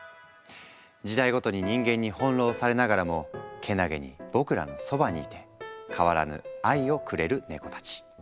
時代ごとに人間に翻弄されながらもけなげに僕らのそばにいて変わらぬ「愛」をくれるネコたち。